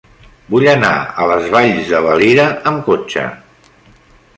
Vull anar a les Valls de Valira amb cotxe.